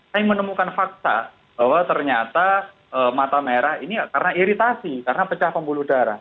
saya menemukan fakta bahwa ternyata mata merah ini karena iritasi karena pecah pembuluh darah